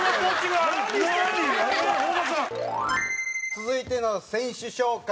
続いての選手紹介